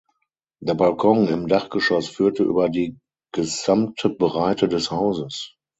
Der Balkon im Dachgeschoss führte über die gesamte Breite des Hauses.